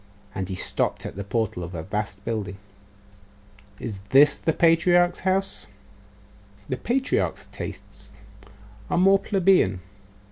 And he stopped at the portal of a vast building. 'Is this the patriarch's house?' 'The patriarch's tastes are more plebeian.